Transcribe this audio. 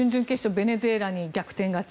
ベネズエラに逆転勝ち。